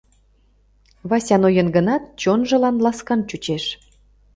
Вася ноен гынат, чонжылан ласкан чучеш.